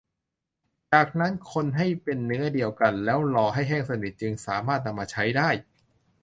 จากนั้นคนให้เป็นเนื้อเดียวกันแล้วรอให้แห้งสนิทจึงสามารถนำมาใช้ได้